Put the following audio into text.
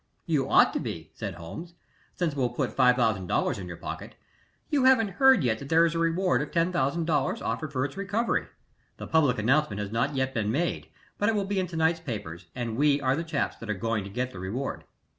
"You ought to be," said Holmes, "since it will put $5000 in your pocket. You haven't heard yet that there is a reward of $10,000 offered for its recovery. The public announcement has not yet been made, but it will be in to night's papers, and we are the chaps that are going to get the reward."